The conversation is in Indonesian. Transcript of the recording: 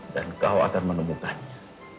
dan kau akan menemukannya